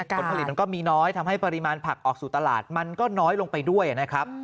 ผลผลิตมันก็มีน้อยทำให้ปริมาณผักออกสู่ตลาดมันก็น้อยลงไปด้วยนะครับ